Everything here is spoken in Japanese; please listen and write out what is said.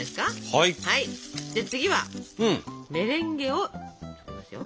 はい次はメレンゲを作りますよ。